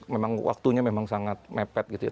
memang waktunya memang sangat mepet gitu ya